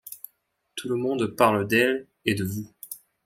Tout le monde parle d’elle et de vous.